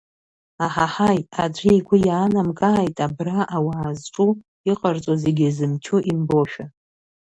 Аҳаҳаи, аӡәы игәы иаанамгааит абра ауаа зҿу, иҟарҵо зегьы зымчу имбошәа.